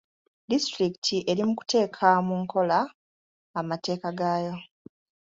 Disitulikiti eri mu kuteeka mu nkola amateeka gaayo.